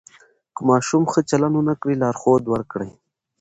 که ماشوم ښه چلند ونه کړي، لارښود ورکړئ.